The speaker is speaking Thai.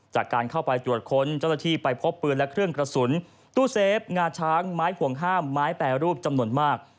จากการเข้าไปตรวจค้นเจ้าหน้าที่ไปพบปืนและเครื่องกระสุนตู้เซฟงาช้างไม้ห่วงห้ามไม้แปรรูปจำนวนมาก